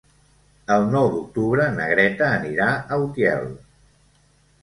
El nou d'octubre na Greta anirà a Utiel.